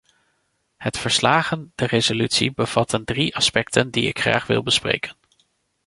Het verslagen de resolutie bevatten drie aspecten die ik graag wil bespreken.